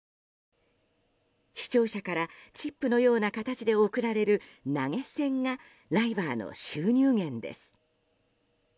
視聴者からチップのような形で送られる投げ銭がライバーの収入源です。